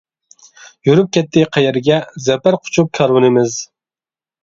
يۈرۈپ كەتتى قەيەرگە، زەپەر قۇچۇپ كارۋىنىمىز.